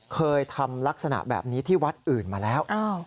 เคยทำลักษณะแบบนี้ที่วัดอื่นมาแล้ว